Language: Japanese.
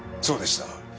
そうでした。